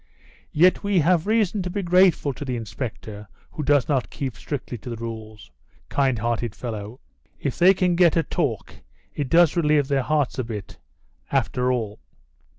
"Yet we have reason to be grateful to the inspector who does not keep strictly to the rules, kind hearted fellow. If they can get a talk it does relieve their hearts a bit, after all!"